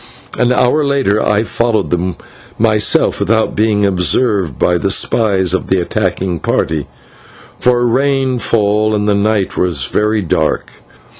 An hour later I followed them myself without being observed by the spies of the attacking party, for rain fell and the night was very dark.